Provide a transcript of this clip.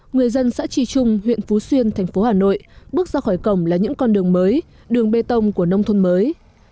người dân xã tri trung huyện phú xuyên thành phố hà nội bước ra khỏi cổng là những con đường mới đường bê tông của nông thôn mới